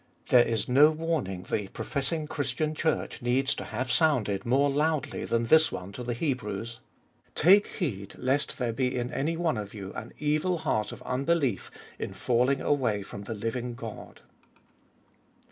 There is no warning the professing Christian Church needs to have sounded more loudly than this one to the Hebrews : Take heed lest there be in any one of you an evil heart of unbelief in falling away from the living God.